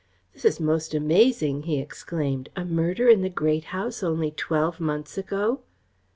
"This is most amazing!" he exclaimed. "A murder in the Great House only twelve months ago!"